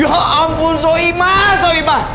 ya ampun soi mak soi mak